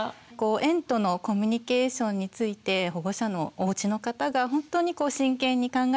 園とのコミュニケーションについて保護者のおうちの方が本当に真剣に考え